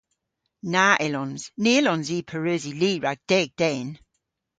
Na yllons. Ny yllons i pareusi li rag deg den.